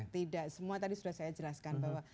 tidak semua tadi sudah saya jelaskan bahwa